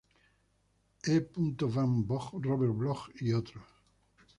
E. van Vogt, Robert Bloch y otros.